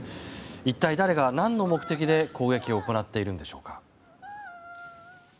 一体、誰が何のために攻撃を行っているのでしょうか。